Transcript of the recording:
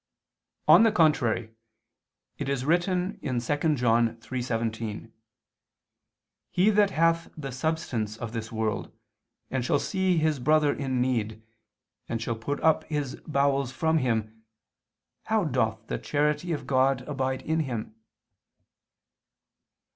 On the contrary, It is written 2 John 3:17: "He that hath the substance of this world, and shall see his brother in need, and shall put up his bowels from him, how doth the charity of God abide in him?"